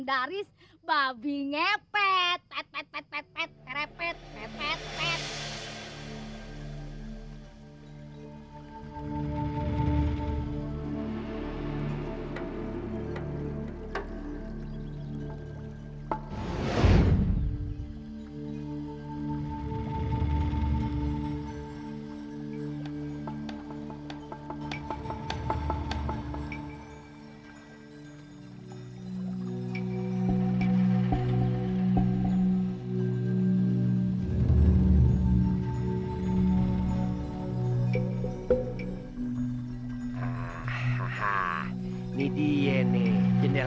wah jadi jadi cecek bos